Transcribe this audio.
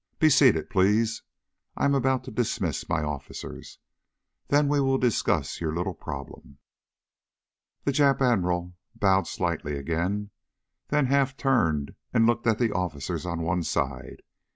Be seated, please. I am about to dismiss my officers. Then we will discuss your little problem." The Jap Admiral bowed slightly again, then half turned and looked at the officers on one side.